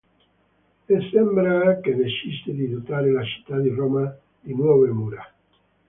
E sembra che decise di dotare la città di Roma di nuove mura.